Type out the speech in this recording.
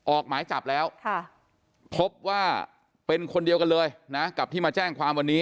ออกหมายจับแล้วพบว่าเป็นคนเดียวกันเลยนะกับที่มาแจ้งความวันนี้